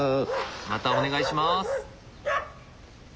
またお願いします。